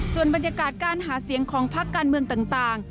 ส่วนบรรยากาศการหาเสียงของพักการเมืองต่าง